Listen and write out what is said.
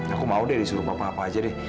aku mau deh disuruh bapak apa apa aja deh